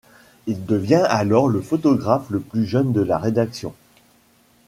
Il devient alors le photographe le plus jeune de la rédaction.